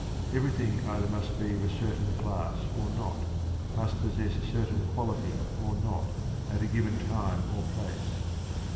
Everything either must be of a certain class or not, must possess a certain quality or not, at a given time or place.